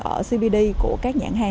ở cbd của các nhãn hàng